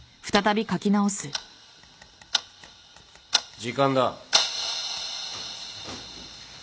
時間だ。